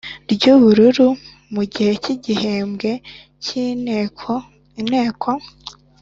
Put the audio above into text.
Ry’ubururu. Mu gihe cy’ibihembwe by’inteko, Inteko